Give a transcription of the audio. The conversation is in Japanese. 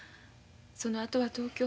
そのあとは東京